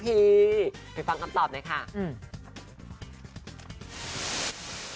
ไปฟังคำตอบนะครับ